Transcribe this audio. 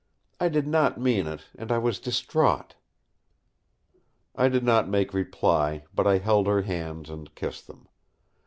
I did not mean it, and I was distraught." I did not make reply; but I held her hands and kissed them.